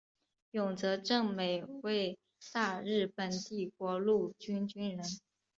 永泽正美为大日本帝国陆军军人。